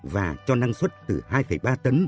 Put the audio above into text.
và cho năng suất từ hai ba tấn